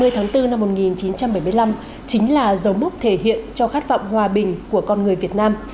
ba mươi tháng bốn năm một nghìn chín trăm bảy mươi năm chính là dấu mốc thể hiện cho khát vọng hòa bình của con người việt nam